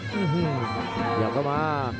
พยายามเข้ามา